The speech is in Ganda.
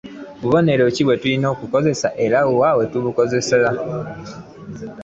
Bubonero ki bwetulina okukozesa era wwa wetubukozeseza .